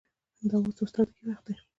همدا اوس د استادګۍ وخت دى.